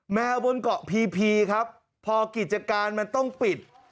แมวบนเกาะพีพีครับพอกิจการมันต้องปิด